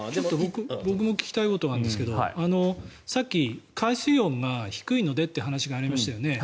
僕も聞きたいことがあるんですけどさっき、海水温が低いのでという話がありましたよね。